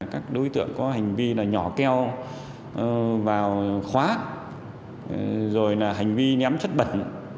các đối tượng có hành vi nhỏ keo vào khóa rồi là hành vi nhắm chất bẩn